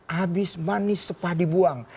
habis manis sepah dibuang